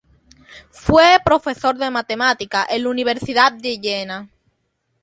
Fue profesor de matemáticas en la Universidad de Jena.